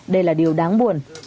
đây là điều đáng buồn